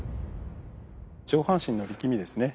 上半身の力みですね。